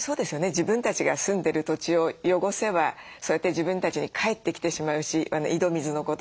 自分たちが住んでる土地を汚せばそうやって自分たちに返ってきてしまうし井戸水のこと。